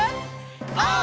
オー！